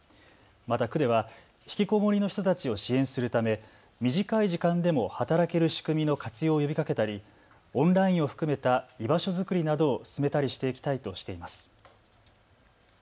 また区ではひきこもりの人たちを支援するため短い時間でも働ける仕組みの活用を呼びかけたりオンラインを含めた居場所作りなどを進めたりしていきたいとしています。